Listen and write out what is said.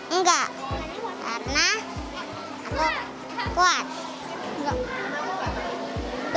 enggak karena aku kuat